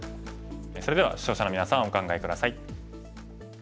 それでは視聴者のみなさんお考え下さい。